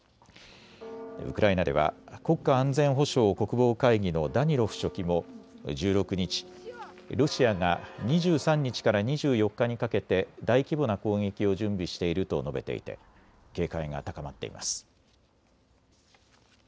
ウクライナでは国家安全保障・国防会議のダニロフ書記も１６日、ロシアが２３日から２４日にかけて大規模な攻撃を準備していると述べていて警戒が高まっています。